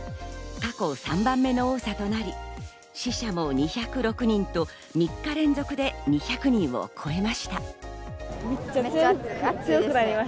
過去３番目の多さとなり、死者も２０６人と、３日連続で２００人を超えました。